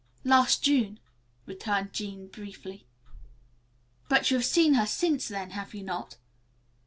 "Last June," returned Jean briefly. "But you have seen her since then, have you not?